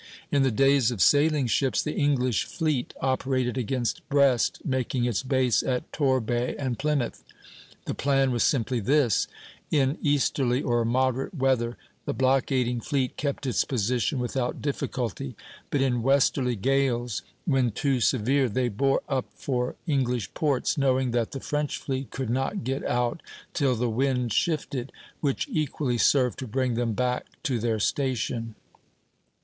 In the days of sailing ships, the English fleet operated against Brest making its base at Torbay and Plymouth. The plan was simply this: in easterly or moderate weather the blockading fleet kept its position without difficulty; but in westerly gales, when too severe, they bore up for English ports, knowing that the French fleet could not get out till the wind shifted, which equally served to bring them back to their station.